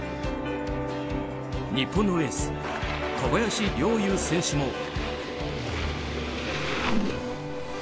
日本のエース小林陵侑選手も。